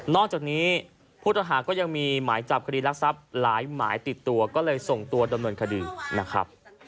จากนี้ผู้ต้องหาก็ยังมีหมายจับคดีรักทรัพย์หลายหมายติดตัวก็เลยส่งตัวดำเนินคดีนะครับ